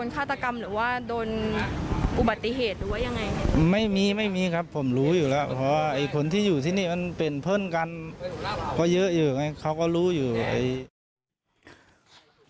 ใช่อันนี้มันเกี่ยวกับคนอื่นหรอกมันเกี่ยวกับตัวเอง